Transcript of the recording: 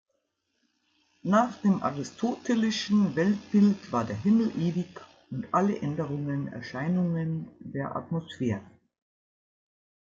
Nach dem Aristotelischen Weltbild war der Himmel ewig und alle Änderungen Erscheinungen der Atmosphäre.